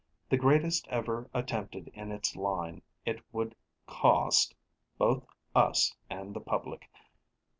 The greatest ever attempted in its line, it would cost both us and the public.